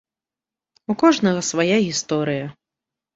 У кожнага свая гісторыя.